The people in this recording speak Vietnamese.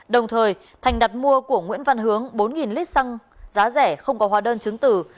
đồng thời thành đặt mua của nguyễn văn hướng bốn lít xăng giá rẻ không có hóa đơn chứng tử